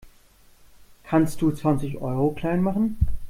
Kannst du zwanzig Euro klein machen?